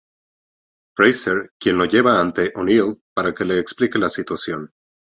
Fraiser, quien lo lleva ante O'Neill, para que le explique la situación.